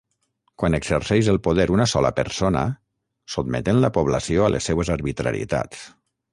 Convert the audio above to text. Quan exerceix el poder una sola persona, sotmetent la població a les seues arbitrarietats.